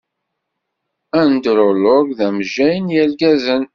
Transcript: Undrulog d amejjay n yergazen.